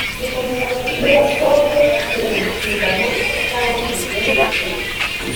iyo yasobwe ku nshingano cyangwa ku migenzereze ye